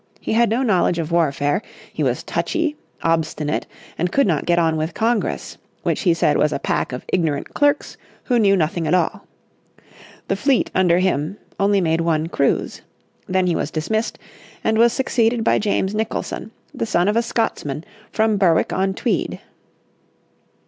He had no knowledge of warfare, he was touchy, obstinate, and could not get on with Congress, which he said was a pack of ignorant clerks who knew nothing at all. The fleet under him only made one cruise. Then he was dismissed, and was succeeded by James Nicholson, the son of a Scotsman from Berwick on Tweed.